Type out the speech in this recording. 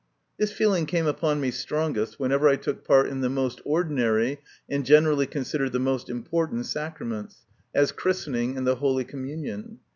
This feeling came upon me strongest when ever I took part in the most ordinary, and generally considered the most important, sacraments, as christening and the holy communion.